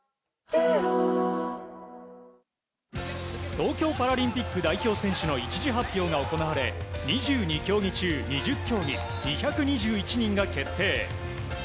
東京パラリンピック代表選手の１次発表が行われ２２競技中２０競技２２１人が決定。